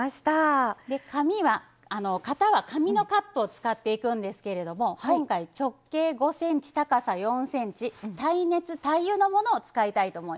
型は紙のカップを使っていくんですけど今回、直径５ｃｍ高さ４ｃｍ、耐熱・耐油のものを使ってください。